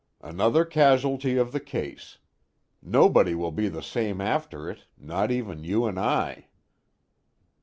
"Another casualty of the case. Nobody will be the same after it, not even you and I."